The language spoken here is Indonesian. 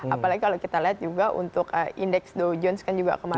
apalagi kalau kita lihat juga untuk indeks dow jones kan juga kemarin